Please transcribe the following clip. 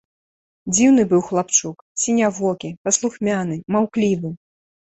Дзіўны быў хлапчук, сінявокі, паслухмяны, маўклівы.